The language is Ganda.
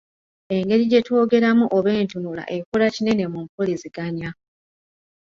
Engeri gye twogeramu oba entunula ekola kinene mumpuliziganya.